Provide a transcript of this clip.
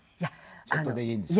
ちょっとできるんですよ。